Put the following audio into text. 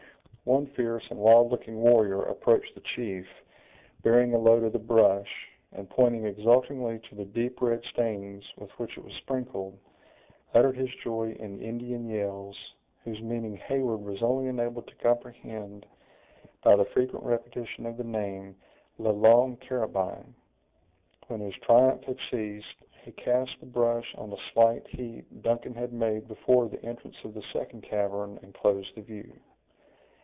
One fierce and wild looking warrior approached the chief, bearing a load of the brush, and pointing exultingly to the deep red stains with which it was sprinkled, uttered his joy in Indian yells, whose meaning Heyward was only enabled to comprehend by the frequent repetition of the name "La Longue Carabine!" When his triumph had ceased, he cast the brush on the slight heap Duncan had made before the entrance of the second cavern, and closed the view.